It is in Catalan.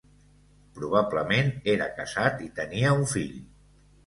Probablement era casat i tenia un fill.